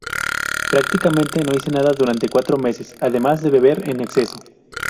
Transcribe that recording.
Prácticamente no hice nada durante cuatro meses, además de beber en exceso".